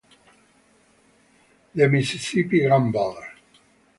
The Mississippi Gambler